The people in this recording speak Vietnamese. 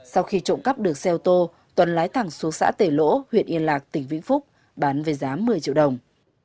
sau khi trộm cắp được xe ô tô tuấn lái thẳng xuống xã tề lỗ huyện yên lạc tỉnh vĩnh phúc bán với giá một mươi triệu đồng